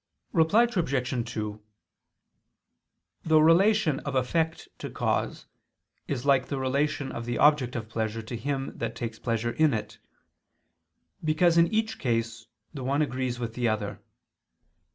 Reply Obj. 2: The relation of effect to cause is like the relation of the object of pleasure to him that takes pleasure in it: because in each case the one agrees with the other.